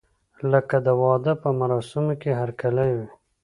لکه د واده په مراسمو کې هرکلی وي.